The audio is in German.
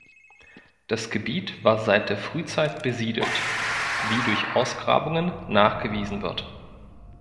Das Gebiet war seit der Frühzeit besiedelt, wie durch Ausgrabungen nachgewiesen wird.